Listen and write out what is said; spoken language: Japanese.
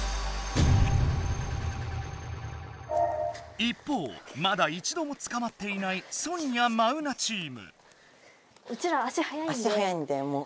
一方まだ一度もつかまっていないソニアマウナチーム。